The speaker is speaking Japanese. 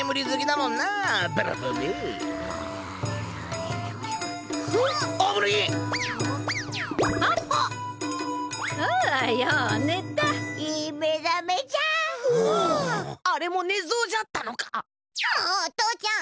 もうお父ちゃん